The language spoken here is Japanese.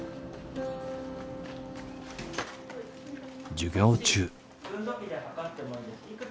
授業中。